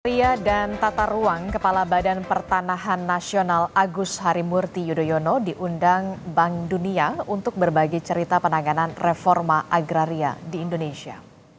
pria dan tata ruang kepala badan pertanahan nasional agus harimurti yudhoyono diundang bank dunia untuk berbagi cerita penanganan reforma agraria di indonesia